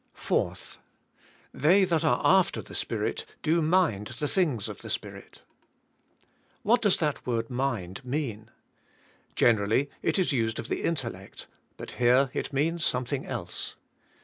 4. "They that are after the Spirit do mind the SKVKN BI^ESSINGS. 2l thing's of the Spirit " What does that word ' 'mind" mean? Generally it is used of the intellect, but here it means something* else.